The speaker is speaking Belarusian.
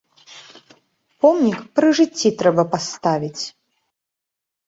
Помнік пры жыцці трэба паставіць!